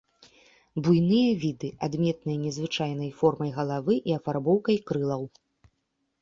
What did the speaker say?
Буйныя віды, адметныя незвычайнай формай галавы і афарбоўкай крылаў.